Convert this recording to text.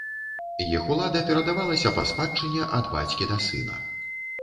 Іх улада перадавалася па спадчыне ад бацькі да сына.